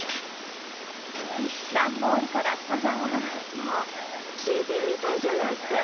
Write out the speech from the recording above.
まあ新品みたいじゃないかい。